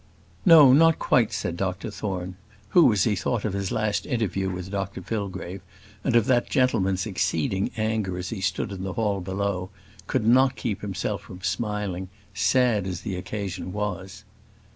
"No, not quite," said Dr Thorne; who, as he thought of his last interview with Dr Fillgrave, and of that gentleman's exceeding anger as he stood in the hall below, could not keep himself from smiling, sad as the occasion was.